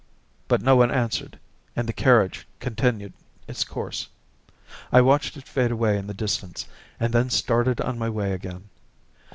But no one answered and the carriage continued its course. I watched it fade away in the distance, and then started on my way again.